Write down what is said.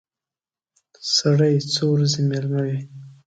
سړی څو ورځې مېلمه وي.